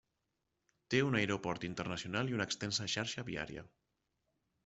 Té un aeroport internacional i una extensa xarxa viària.